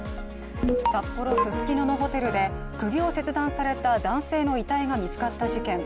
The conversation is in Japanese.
札幌・ススキノのホテルで首を切断された男性の遺体が見つかった事件。